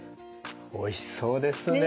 おいしそうですね！